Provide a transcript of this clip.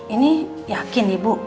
ini yakin ibu